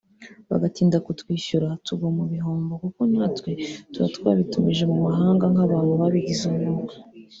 bagatinda kutwishyura tugwa mu bihombo kuko natwe tuba twabitumije mu mahanga nk’abantu babigize umwuga